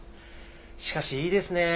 しかしいいですねえ